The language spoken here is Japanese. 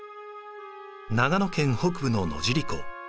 長野県北部の野尻湖。